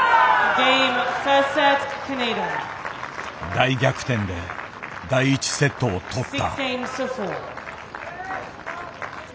大逆転で第１セットを取った。